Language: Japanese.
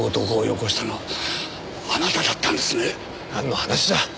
なんの話だ。